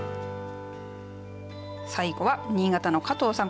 最後は新潟の加藤さん。